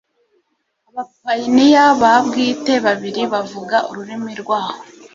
abapayiniya ba bwite babiri bavuga ururimi rwaho